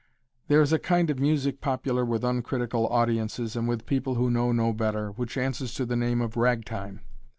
There is a kind of music popular with uncritical audiences and with people who know no better, which answers to the name of "ragtime."